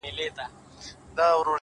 هغه دي مړه سي زموږ نه دي په كار _